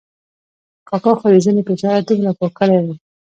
کاکا خو د زنې په اشاره دومره پوه کړی وم.